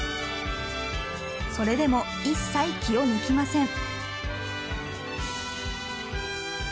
それでも一切気を抜きません。